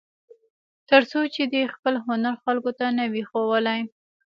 تر څو چې دې خپل هنر خلکو ته نه وي ښوولی.